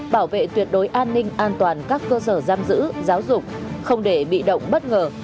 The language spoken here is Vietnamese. bảo vệ tuyệt đối an ninh an toàn các cơ sở giam giữ giáo dục không để bị động bất ngờ